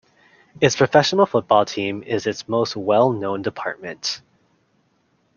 Its professional football team is its most well known department.